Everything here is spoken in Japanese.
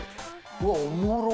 うわっ、おもろ。